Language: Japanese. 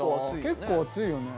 結構熱いよね。